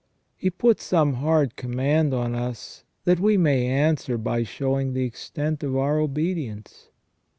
He puts some hard command on us, that we may answer by showing the extent of our obedience.